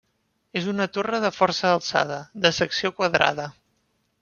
És una torre de força alçada, de secció quadrada.